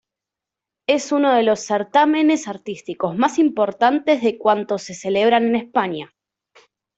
Es uno de los certámenes artísticos más importantes de cuantos se celebran en España.